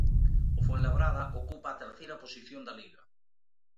O Fuenlabrada ocupa a terceira posición da Liga.